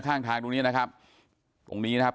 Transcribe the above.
ข้างทางตรงนี้นะครับตรงนี้นะครับ